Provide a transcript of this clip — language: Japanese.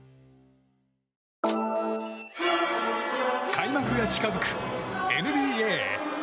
開幕が近づくＮＢＡ。